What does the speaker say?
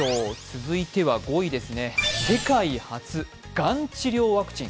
続いては５位、世界初、がん治療ワクチン。